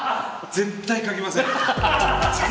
絶対書きません。